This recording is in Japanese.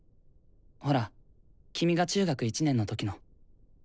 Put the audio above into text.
ほら君が中学１年の時の。